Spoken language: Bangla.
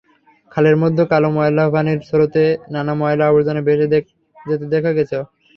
খালের মধ্যে কালো ময়লা পানির স্রোতে নানা ময়লা-আবর্জনা ভেসে যেতে দেখা গেল।